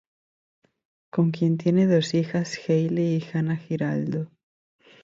Con quien tiene dos hijas Haley y Hana Giraldo.